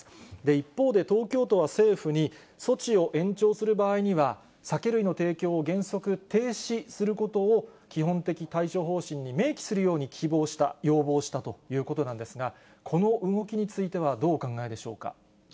一方で東京都は政府に、措置を延長する場合には、酒類の提供を原則停止することを基本的対処方針に明記するように希望した、要望したということなんですが、この動きについては、どうお考えでしょうか。